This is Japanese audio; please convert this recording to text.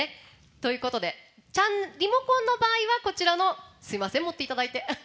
ということで、リモコンの場合はこちらの、すみません持っていただいて。